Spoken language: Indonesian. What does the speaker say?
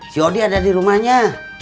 si odi ada di rumahnya